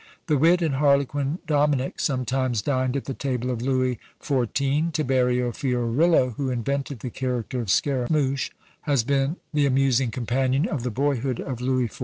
The Wit and Harlequin Dominic sometimes dined at the table of Louis XIV. Tiberio Fiorillo, who invented the character of Scaramouch, had been the amusing companion of the boyhood of Louis XIV.